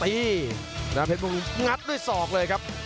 พระนามเพชรพังรุงหลอดดึงด้วยสอกเลยครับ